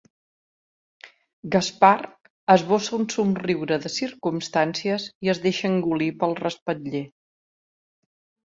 Gaspar esbossa un somriure de circumstàncies i es deixa engolir pel respatller.